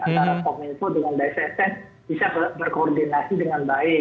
antara kominfo dengan bssn bisa berkoordinasi dengan baik